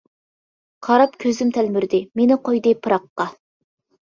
قاراپ كۆزۈم تەلمۈردى، مېنى قويدى پىراققا!